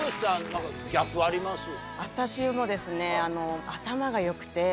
私もですね。